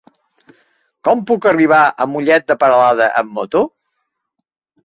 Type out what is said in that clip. Com puc arribar a Mollet de Peralada amb moto?